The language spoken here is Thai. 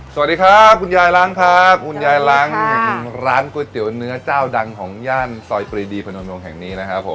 สวัสดีครับคุณยายล้างครับคุณยายล้างร้านก๋วยเตี๋ยวเนื้อเจ้าดังของย่านซอยปรีดีพนมวงแห่งนี้นะครับผม